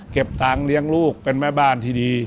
เก็บตังค์เลี้ยงลูกเป็นแม่บ้านที่ดี